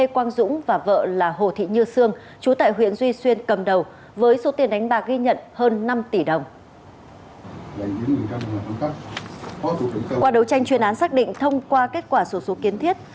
qua đấu tranh chuyên án xác định thông qua kết quả số số kiến thiết